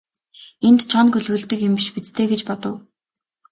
Энд чоно гөлөглөдөг юм биш биз дээ гэж бодов.